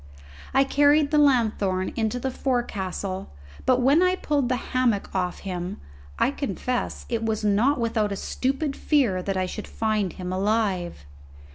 I carried the lanthorn into the forecastle, but when I pulled the hammock off him I confess it was not without a stupid fear that I should find him alive.